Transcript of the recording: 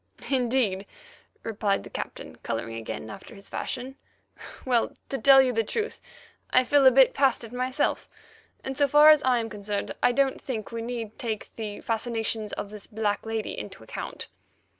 "Indeed," replied the Captain, colouring again after his fashion. "Well, to tell you the truth, I feel a bit past it myself, and, so far as I am concerned, I don't think we need take the fascinations of this black lady into account."